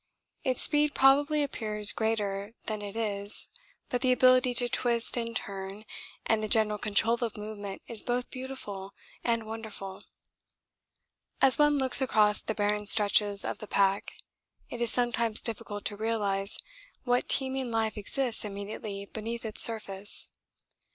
Its speed probably appears greater than it is, but the ability to twist and turn and the general control of movement is both beautiful and wonderful. As one looks across the barren stretches of the pack, it is sometimes difficult to realise what teeming life exists immediately beneath its surface.